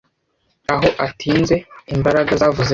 Aho atinze, Imbaraga zavuze: